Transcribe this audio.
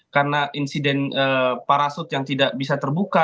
karena insiden parasut yang tidak bisa terbuka